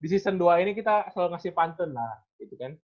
di season dua ini kita selalu ngasih pantun lah gitu kan